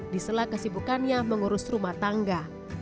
di sela kesibukannya mengurus rumah tangga